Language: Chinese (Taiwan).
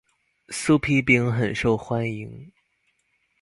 酥皮餅很受歡迎